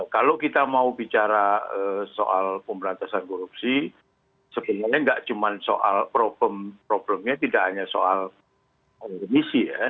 kalau kita mau bicara soal pemberantasan korupsi sebenarnya nggak cuma soal problemnya tidak hanya soal remisi ya